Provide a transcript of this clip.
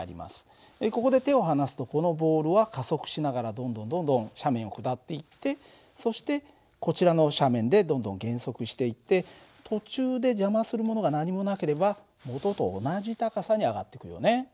ここで手を離すとこのボールは加速しながらどんどんどんどん斜面を下っていってそしてこちらの斜面でどんどん減速していって途中で邪魔するものが何もなければ元と同じ高さに上がってくよね。